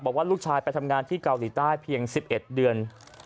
บอกว่าลูกชายไปทำงานที่เกาหลีใต้เพียง๑๑เดือน